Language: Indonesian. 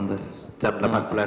sebelum melakukan rgp ya